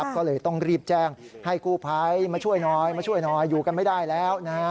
ก็เลยต้องรีบแจ้งให้ครูพัยมาช่วยน้อยอยู่กันไม่ได้แล้ว